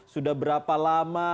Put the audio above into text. sudah berapa lama